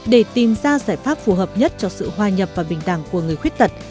để tìm ra giải pháp phù hợp nhất cho sự hoa nhập và bình đẳng của người khuyết tật